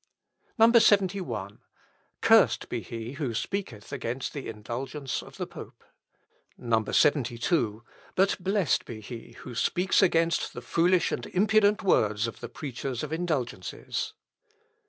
71. "Cursed be he who speaketh against the indulgence of the pope. 72. "But blessed be he who speaks against the foolish and impudent words of the preachers of indulgences.